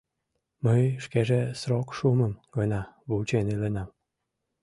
Мый шкеже срок шумым гына вучен иленам.